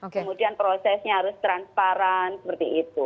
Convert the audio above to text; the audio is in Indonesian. kemudian prosesnya harus transparan seperti itu